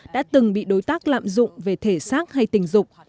đã từng bị đối tác lạm dụng về thể dục